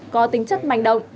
có tính chất mạnh động